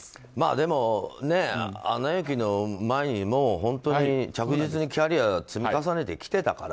でも、「アナ雪」の前に本当に着実にキャリアを積み重ねてきていたから。